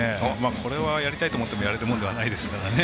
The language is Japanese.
これはやりたいと思ってもやれるものではないですからね。